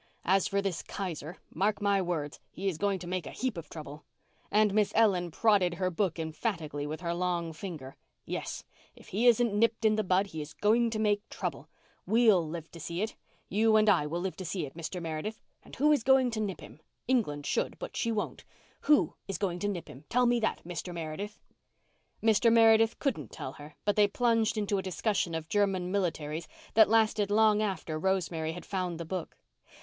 As for this Kaiser, mark my words, he is going to make a heap of trouble"—and Miss Ellen prodded her book emphatically with her long finger. "Yes, if he isn't nipped in the bud he's going to make trouble. We'll live to see it—you and I will live to see it, Mr. Meredith. And who is going to nip him? England should, but she won't. Who is going to nip him? Tell me that, Mr. Meredith." Mr. Meredith couldn't tell her, but they plunged into a discussion of German militarism that lasted long after Rosemary had found the book.